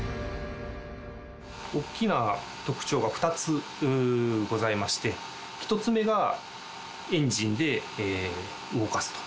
大きな特徴が２つございまして、１つ目がエンジンで動かすと。